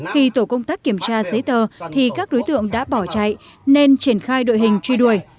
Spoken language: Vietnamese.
khi tổ công tác kiểm tra giấy tờ thì các đối tượng đã bỏ chạy nên triển khai đội hình truy đuổi